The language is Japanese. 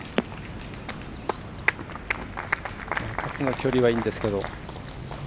距離はいいんですけど。